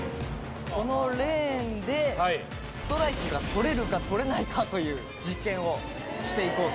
このレーンでストライクが取れるか取れないかという実験をして行こうと。